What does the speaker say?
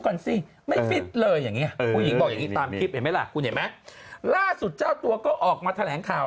กันสิไม่สิเลยแบบนี้บอกผิดไปไหมล่ะกูเห็นมาร่าสุดเจ้าตัวเข้าออกมาแถลงข่าว